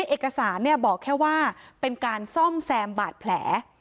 เอกสารบอกแค่ว่าเป็นการซ่อมแซมบาดแผล